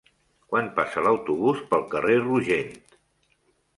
Quan passa l'autobús pel carrer Rogent?